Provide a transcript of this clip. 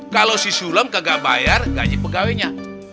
kalau si sulem kagak bayar gaji pegawainya